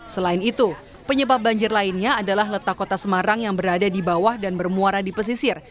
selain itu penyebab banjir lainnya adalah letak kota semarang yang berada di bawah dan bermuara di pesisir